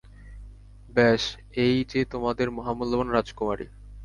বেশ, এই যে তোমাদের মহামূল্যবান রাজকুমারী।